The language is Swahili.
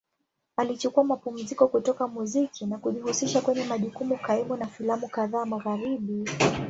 Alichukua mapumziko kutoka muziki na kujihusisha kwenye majukumu kaimu na filamu kadhaa Magharibi.